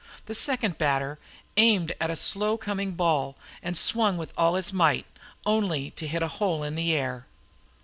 The second batter aimed at a slow coming ball and swung with all his might, only to hit a hole in the air.